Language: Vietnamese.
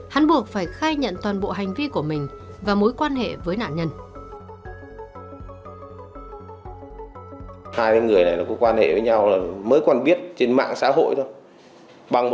hắn buộc phải khai nhận toàn bộ hành vi của mình và mối quan hệ với nạn nhân